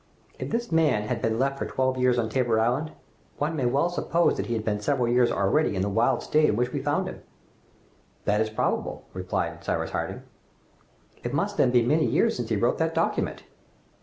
"If this man had been left for twelve years on Tabor Island, one may well suppose that he had been several years already in the wild state in which we found him!" "That is probable," replied Cyrus Harding. "It must then be many years since he wrote that document!"